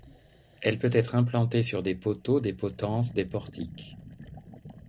Elle peut être implantée sur des poteaux, des potences, des portiques.